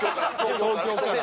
東京から。